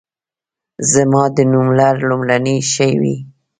زما د نوملړ لومړنی شی وي.